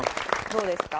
どうですか？